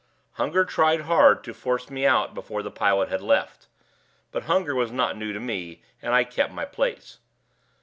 Hunger tried hard to force me out before the pilot had left; but hunger was not new to me, and I kept my place.